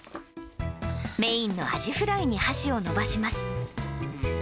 メインのアジフライに箸を伸ばします。